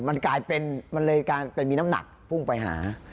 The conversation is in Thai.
มันกลายเป็นมันเลยกลายเป็นมีน้ำหนักพุ่งไปหา